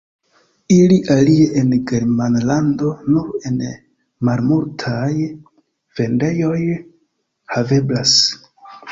Ili alie en Germanlando nur en malmultaj vendejoj haveblas.